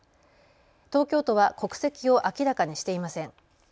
東京都は国籍を明らかにしていません。